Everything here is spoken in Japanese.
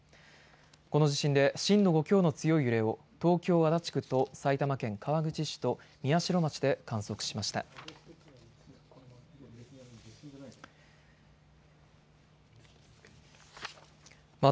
この地震で震度５強の強い揺れを東京、足立区と埼玉県川口市と宮代町で観測しました。